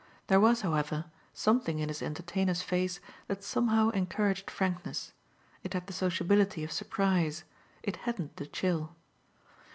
There was, however, something in his entertainer's face that somehow encouraged frankness; it had the sociability of surprise it hadn't the chill.